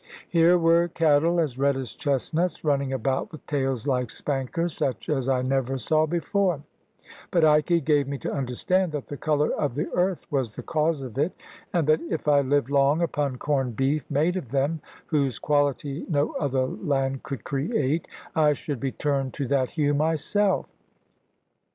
Here were cattle, as red as chesnuts, running about with tails like spankers, such as I never saw before; but Ikey gave me to understand that the colour of the earth was the cause of it, and that if I lived long upon corned beef made of them (whose quality no other land could create), I should be turned to that hue myself.